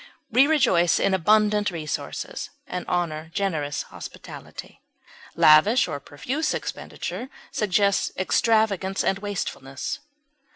We rejoice in abundant resources, and honor generous hospitality; lavish or profuse expenditure suggests extravagance and wastefulness.